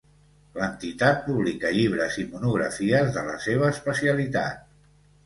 L'entitat publica llibres i monografies de la seva especialitat.